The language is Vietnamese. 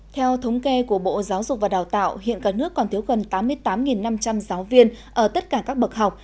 theo thống kê của bộ giáo dục và đào tạo hiện cả nước còn thiếu gần tám mươi tám năm trăm linh giáo viên ở tất cả các bậc học